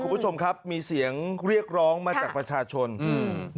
คุณผู้ชมครับมีเสียงเรียกร้องมาจากประชาชนอืม